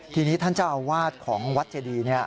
ทีนี้ท่านเจ้าอาวาสของวัดเจดี